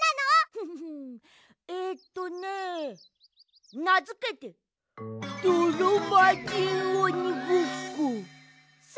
ウフフえっとねなづけてどろまじんおにごっこさ！